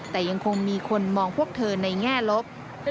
แต่ยังคงมีคนมองพวกเธอในแง่ลบ